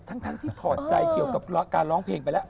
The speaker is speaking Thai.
ทั้งที่ถอดใจเกี่ยวกับการร้องเพลงไปแล้ว